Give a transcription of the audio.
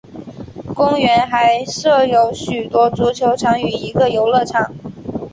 公园还设有许多足球场与一个游乐场。